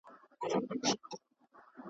په لوګیو، سرو لمبو دوړو کي ورک دی .